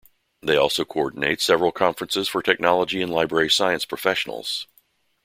They also coordinate several conferences for technology and library science professionals.